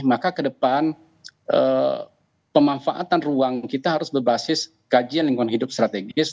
maka ke depan pemanfaatan ruang kita harus berbasis kajian lingkungan hidup strategis